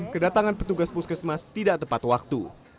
kedatangan petugas puskesmas tidak tepat waktu